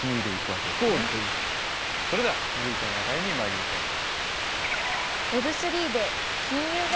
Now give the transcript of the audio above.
それでは続いての話題にまいりましょう。